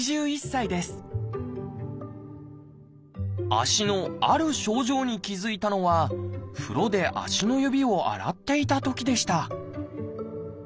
足のある症状に気付いたのは風呂で足の指を洗っていたときでした